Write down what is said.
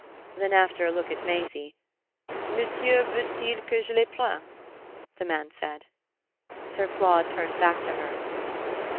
"_ Then after a look at Maisie, "Monsieur veut il que je les prenne?" the man said. Sir Claude turned back to her.